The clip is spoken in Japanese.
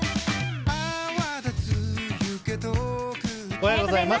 おはようございます。